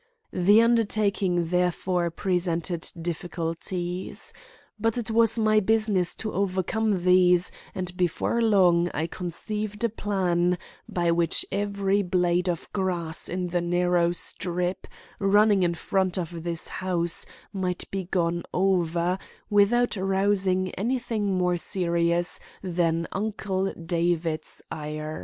The undertaking, therefore, presented difficulties. But it was my business to overcome these, and before long I conceived a plan by which every blade of grass in the narrow strip running in front of this house might be gone over without rousing anything more serious than Uncle David's ire.